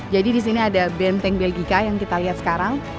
jadi di sini ada benteng belgika yang kita lihat sekarang